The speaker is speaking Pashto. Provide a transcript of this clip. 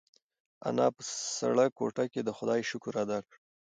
انا په سړه کوټه کې د خدای شکر ادا کړ.